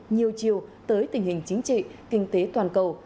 nhiều chiều tới tình hình chính trị kinh tế toàn cầu